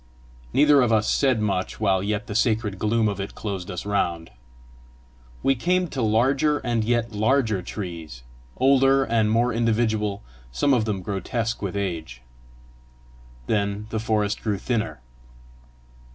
Neither of us said much while yet the sacred gloom of it closed us round. We came to larger and yet larger trees older, and more individual, some of them grotesque with age. Then the forest grew thinner.